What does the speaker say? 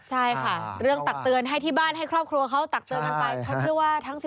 ใช่ค่ะเรื่องตักเตือนให้ที่บ้านให้ครอบครัวเขาตักเตือนกันไป